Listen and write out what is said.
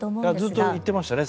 ずっと言ってましたね。